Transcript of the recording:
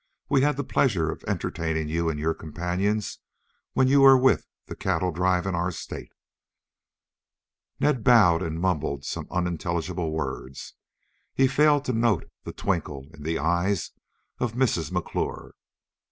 "We had the pleasure of entertaining you and your companions when you were with the cattle drive in our state." Ned bowed and mumbled some unintelligible words. He failed to note the twinkle in the eyes of Mrs. McClure.